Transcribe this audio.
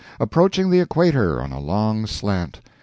Approaching the equator on a long slant.